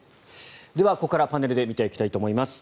ではここからパネルで見ていきたいと思います。